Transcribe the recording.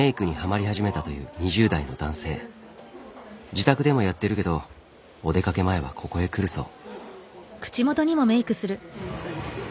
自宅でもやってるけどお出かけ前はここへ来るそう。